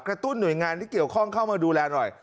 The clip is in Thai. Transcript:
ตุ้นหน่วยงานที่เกี่ยวข้องเข้ามาดูแลหน่อย